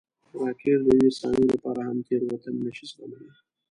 راکټ د یوې ثانیې لپاره هم تېروتنه نه شي زغملی